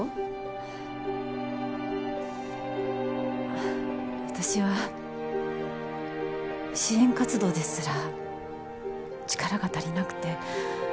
あっ私は支援活動ですら力が足りなくて。